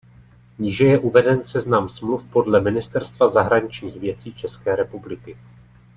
Níže je uveden seznam smluv podle Ministerstva zahraničních věcí České republiky.